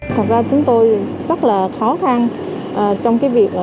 thật ra chúng tôi rất là khó khăn trong